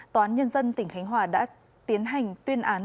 tòa án nhân dân tỉnh khánh hòa đã tiến hành tuyên án